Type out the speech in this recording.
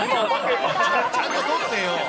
ちゃんと撮ってよ！